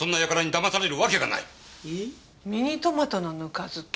ミニトマトのぬか漬け。